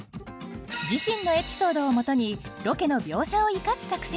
自身のエピソードをもとにロケの描写を生かす作戦。